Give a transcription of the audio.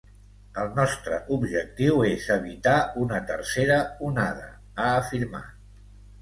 El nostre objectiu és evitar una tercera onada, ha afirmat.